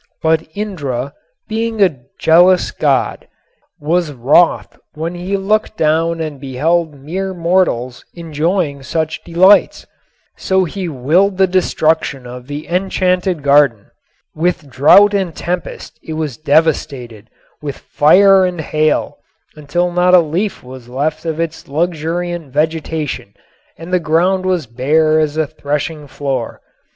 But Indra, being a jealous god, was wroth when he looked down and beheld mere mortals enjoying such delights. So he willed the destruction of the enchanted garden. With drought and tempest it was devastated, with fire and hail, until not a leaf was left of its luxuriant vegetation and the ground was bare as a threshing floor.